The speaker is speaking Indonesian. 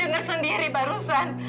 dengar sendiri barusan